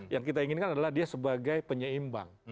yang kita inginkan adalah dia sebagai penyeimbang